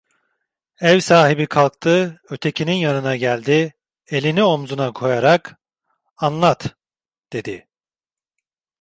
Ev sahibi kalktı, ötekinin yanına geldi, elini omuzuna koyarak: "Anlat!" dedi.